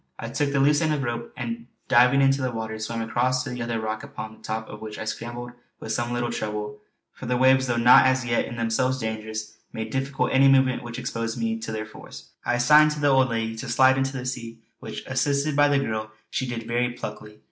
I took the loose end of the rope and diving into the water swam across to the other rock upon the top of which I scrambled with some little trouble, for the waves, though not as yet in themselves dangerous, made difficult any movement which exposed me to their force. I signed to the old lady to slide into the sea which, assisted by the girl, she did very pluckily.